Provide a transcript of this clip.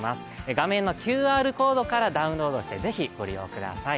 画面のＱＲコードからダウンロードして、ぜひご利用ください。